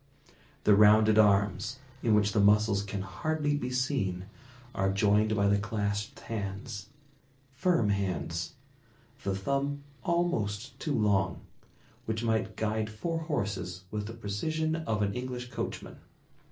The rounded arms, in which the muscles can hardly be seen, are joined by the clasped hands, firm hands, the thumb almost too long, which might guide four horses with the precision of an English coachman.